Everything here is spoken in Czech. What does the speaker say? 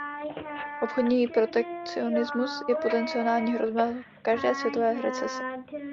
Obchodní protekcionismus je potenciální hrozba v každé světové recesi.